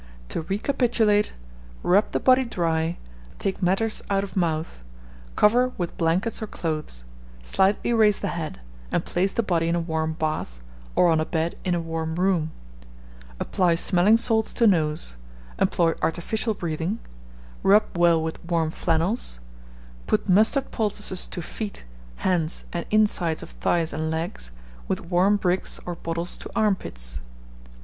To recapitulate: Rub the body dry; take matters out of mouth; cover with blankets or clothes; slightly raise the head, and place the body in a warm bath, or on a bed in a warm room; apply smelling salts to nose; employ artificial breathing; rub well with warm flannels; put mustard poultices to feet, hands, and insides of thighs and legs, with warm bricks or bottles to armpits.